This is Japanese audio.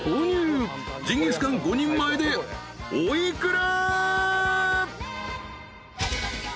［爆安ジンギスカン５人前でいったいお幾ら？］